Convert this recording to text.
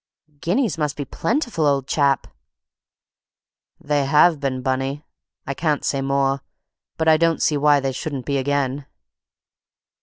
"Guineas must be plentiful, old chap!" "They have been, Bunny. I can't say more. But I don't see why they shouldn't be again."